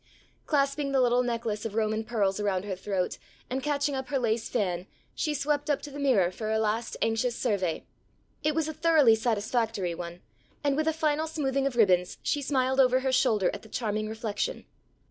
Clasping the little necklace of Roman pearls around her throat, and catching up her lace fan, she swept up to the mirror for a last anxious survey. It was a thoroughly satisfactory one, and with a final smoothing of ribbons she smiled over her shoulder at the charming reflection.